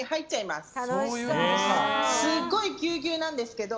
すっごいぎゅうぎゅうなんですけど。